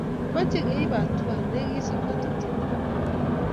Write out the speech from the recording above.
mache keip atua si kesup ngatutik ab oret